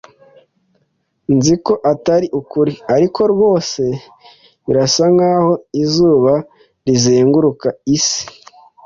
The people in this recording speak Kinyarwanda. Nzi ko atari ukuri, ariko rwose birasa nkaho izuba rizenguruka isi.